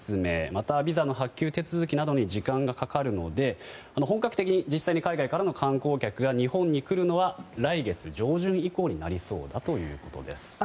またビザの発給手続きなどに時間がかかるので本格的に実際に海外からの観光客が日本に来るのは来月上旬以降になりそうだということです。